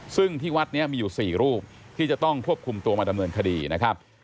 ซึ่งที่วัดนี้มีอยู่๔รูปที่จะต้องควบคุมตัวมาดำเนินคดีนะครับ